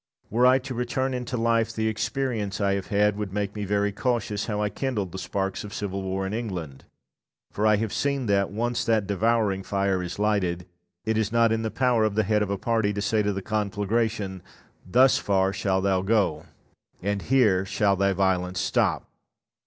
Were I to return into life, the experience I have had would make me very cautious how I kindled the sparks of civil war in England; for I have seen that, when once that devouring fire is lighted, it is not in the power of the head of a party to say to the conflagration, "Thus far shalt thou go, and here shall thy violence stop."